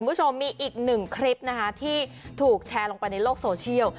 คุณผู้ชมมีอีกหนึ่งคลิปนะคะที่ถูกแชร์ลงไปในโลกโซเชียล